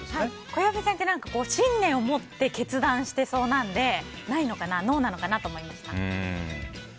小籔さんって信念を持って決断してそうなのでないのかな、ノーなのかなと思いました。